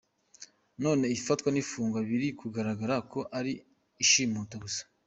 None ifatwa n’ifugwa biri kugaragara ko ari ishimuta gusa!